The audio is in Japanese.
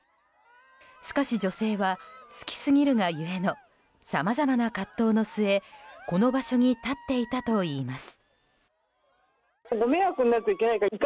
しかし女性は、好きすぎるが故のさまざまな葛藤の末この場所に立っていたといいます。